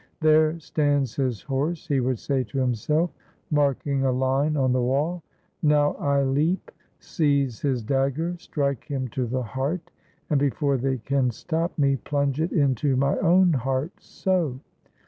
"There stands his horse," he would say to himself — marking a line on the wall — "now I leap; seize his dagger; strike him to the heart; and, before they can stop me, plunge it into my own heart, so!